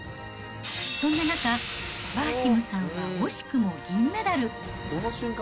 そんな中、バーシムさんは惜しくも銀メダル。